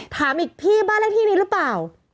ถามอีกพี่บ้านเลขที่นี้หรือเปล่า